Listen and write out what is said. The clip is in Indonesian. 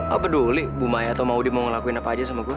apa doli bu maya atau maudie mau ngelakuin apa aja sama gue